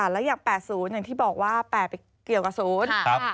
แล้วอย่าง๘๐อย่างที่บอกว่า๘ไปเกี่ยวกับศูนย์